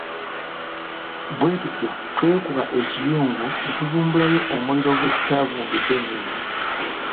Bwe tutyo twekuba ekiyungu ne tuvumbulayo omuliro gwe tutaavumbise nnyini.